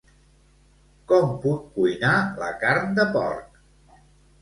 Com puc cuinar la carn de porc?